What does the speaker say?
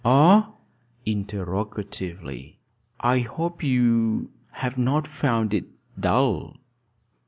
"Ah?" interrogatively. "I hope you have not found it dull."